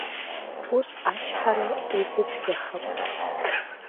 Ус ачҳара узыцәгьахап!